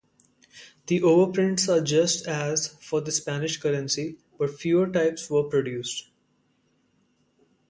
The overprints are just as for the Spanish currency, but fewer types were produced.